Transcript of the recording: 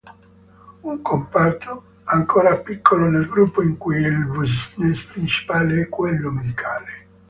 Un comparto ancora piccolo nel gruppo in cui il business principale è quello medicale.